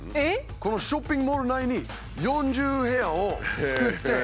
このショッピングモール内に４０部屋を造って。